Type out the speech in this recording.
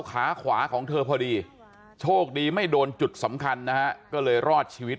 ขาขวาของเธอพอดีโชคดีไม่โดนจุดสำคัญนะฮะก็เลยรอดชีวิต